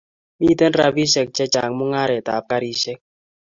Miten rapishek che chang mungaret ab karishek